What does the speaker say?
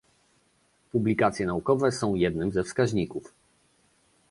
Publikacje naukowe są jednym ze wskaźników